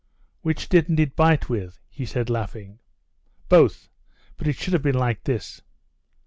"Which didn't it bite with?" he said, laughing. "Both. But it should have been like this...."